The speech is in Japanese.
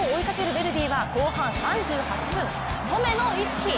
ヴェルディは後半３８分、染野唯月！